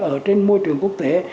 ở trên môi trường quốc tế